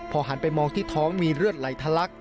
หันไปมองที่ท้องมีเลือดไหลทะลัก